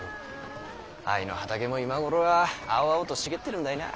藍の畑も今頃は青々と茂ってるんだいなあ。